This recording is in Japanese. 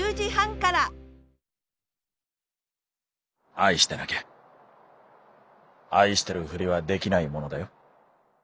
「愛してなきゃ愛してるふりはできないものだよ」。